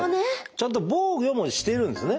ちゃんと防御もしているんですね。